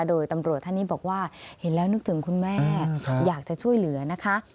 โดยตำรวจท่านนี้บอกว่าเห็นแล้วนึกถึงคุณแม่อยากจะช่วยเหลือนะคะ